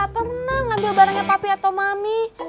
jihang teh nggak tenang ambil barangnya papi atau mami